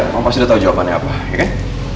kamu pasti udah tau jawabannya apa ya kan